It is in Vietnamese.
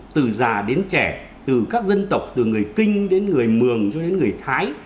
từ già đến trẻ từ các dân tộc từ người kinh đến người mường cho đến người thái